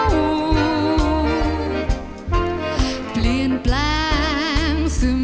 โปรดติดตามต่อไป